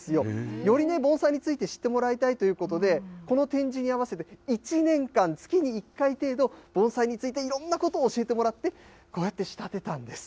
よりね、盆栽について知ってもらいたいということで、この展示に合わせて１年間、月に１回程度、盆栽についていろんなことを教えてもらって、こうやって仕立てたんです。